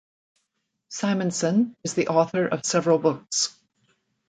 Simonsen is the author of several books.